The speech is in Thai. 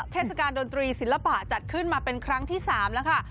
เทศกาลดนตรีศิลปะจัดขึ้นมาเป็นครั้งที่๓แล้วค่ะ